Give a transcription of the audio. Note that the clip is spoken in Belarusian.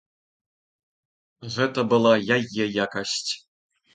Гэта была яе якасць.